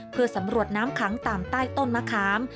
เพื่อสำรวจน้ำขังตามใต้ต้นมะขาม